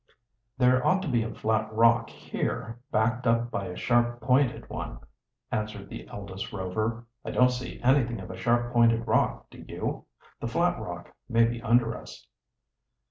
"There ought to be a flat rock here, backed up by a sharp pointed one," answered the eldest Rover. "I don't see anything of a sharp pointed rock, do you? The flat rock may be under us."